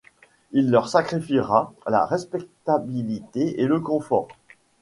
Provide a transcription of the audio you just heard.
Il leur sacrifiera la respectabilité et le confort.